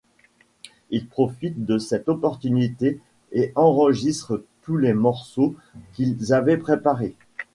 Ils profitent de cette opportunité et enregistrent tous les morceaux qu'ils avaient préparés.